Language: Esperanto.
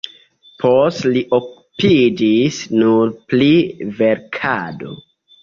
Poste li okupiĝis nur pri verkado.